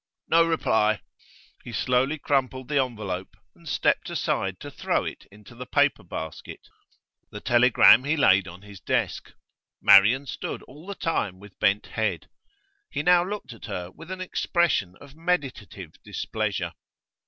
'No reply.' He slowly crumpled the envelope, and stepped aside to throw it into the paper basket. The telegram he laid on his desk. Marian stood all the time with bent head; he now looked at her with an expression of meditative displeasure.